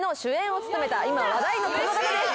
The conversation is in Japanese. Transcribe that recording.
今話題のこの方です。